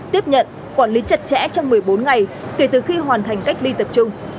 tiếp nhận quản lý chặt chẽ trong một mươi bốn ngày kể từ khi hoàn thành cách ly tập trung